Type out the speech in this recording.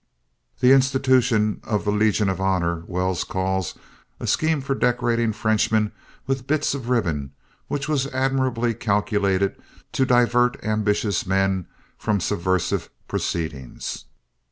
The institution of the Legion of Honor Wells calls "A scheme for decorating Frenchmen with bits of ribbon which was admirably calculated to divert ambitious men from subversive proceedings."